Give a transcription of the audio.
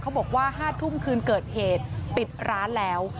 บอกว่า๕ทุ่มคืนเกิดเหตุปิดร้านแล้ว